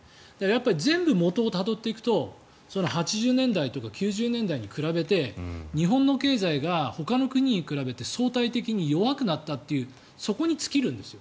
やっぱり全部、元をたどっていくと８０年代とか９０年代に比べて日本の経済がほかの国に比べて相対的に弱くなったというそこに尽きるんです。